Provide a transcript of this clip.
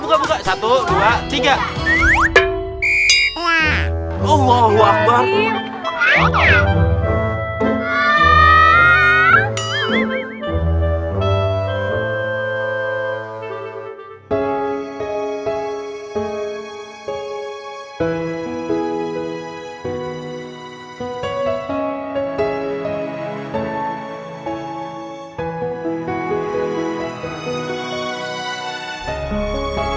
nah kita langsung sergap aja